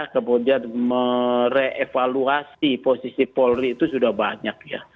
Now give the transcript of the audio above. kemudian merevaluasi posisi polri itu sudah banyak ya